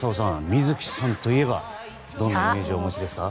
水木さんといえばどんなイメージお持ちですか？